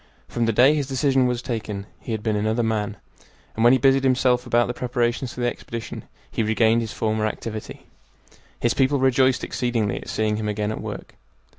From the day his decision was taken he had been another man, and when he busied himself about the preparations for the expedition he regained his former activity. His people rejoiced exceedingly at seeing him again at work.